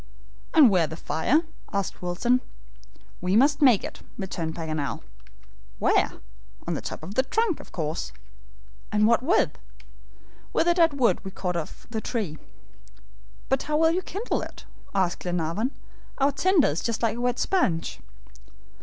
"And where's the fire?" asked Wilson. "We must make it," returned Paganel. "Where?" "On the top of the trunk, of course." "And what with?" "With the dead wood we cut off the tree." "But how will you kindle it?" asked Glenarvan. "Our tinder is just like wet sponge."